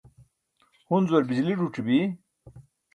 hunzuar bijili zuc̣i bi